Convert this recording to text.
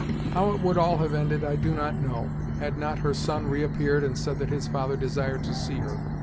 How it would all have ended I do not know, had not her son reappeared and said that his father desired to see her.